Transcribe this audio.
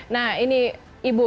nah ini ibu